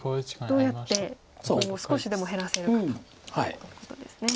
どうやってここを少しでも減らせるかということですね。